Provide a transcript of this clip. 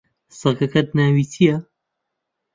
سەگەکەت ناوی چییە؟